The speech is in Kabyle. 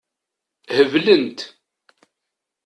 Heblent.